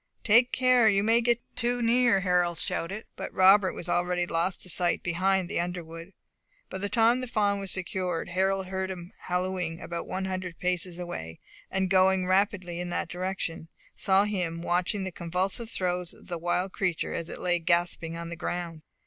"Take care, you may get too near," Harold shouted; but Robert was already lost to sight behind the underwood. By the time the fawn was secured, Harold heard him hallooing about one hundred paces away, and going rapidly in that direction, saw him watching the convulsive throes of the wild creature as it lay gasping on the ground.